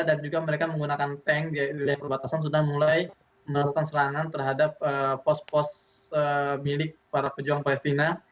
dan juga mereka menggunakan tank di wilayah perbatasan sudah mulai melakukan serangan terhadap pos pos milik para pejuang palestina